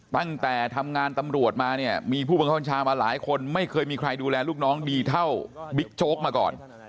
ตั้งแต่ทำงานตำรวจมาเนี่ยมีผู้บังคับบัญชามาหลายคนไม่เคยมีใครดูแลลูกน้องดีเท่าบิ๊กโจ๊กมาก่อน